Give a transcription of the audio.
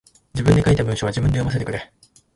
自分で書いた文章は自分で読ませてくれ。